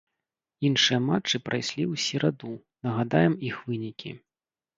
Іншыя матчы прайшлі ў сераду, нагадаем іх вынікі.